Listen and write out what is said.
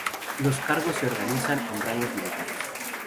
Los cargos se organizan en rangos militares.